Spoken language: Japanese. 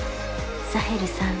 サヘルさん